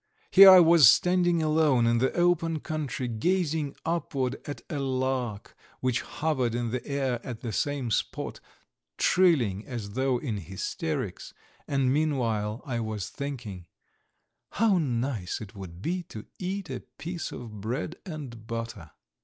Here I was standing alone in the open country, gazing upward at a lark which hovered in the air at the same spot, trilling as though in hysterics, and meanwhile I was thinking: "How nice it would be to eat a piece of bread and butter!"